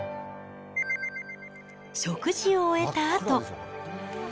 食事を終えたあと。